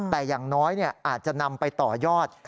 แต่อย่างน้อยอาจจะนำไปต่อยอด